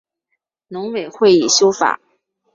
农委会已修法